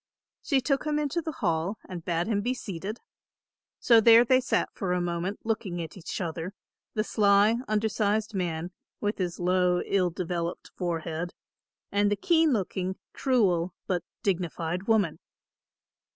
She took him into the hall and bade him be seated. So there they sat for a moment looking at each other, the sly undersized man, with his low ill developed forehead, and the keen looking, cruel, but dignified woman.